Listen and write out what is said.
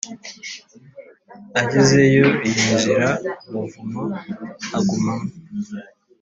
Agezeyo yinjira mu buvumo agumamo